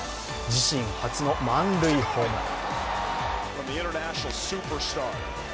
自身初の満塁ホームラン。